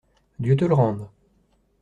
Dieu te le rende!